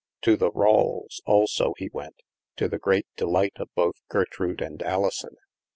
To the Rawles' also he went, to the great delight of both Gertrude and Alison.